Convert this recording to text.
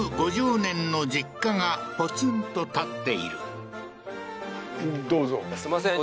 ５０年の実家がポツンと建っているすいません